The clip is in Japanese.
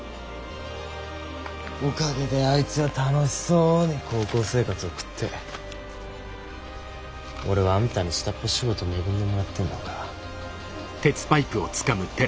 おかげであいつは楽しそうに高校生活送って俺はあんたに下っ端仕事恵んでもらってんのか。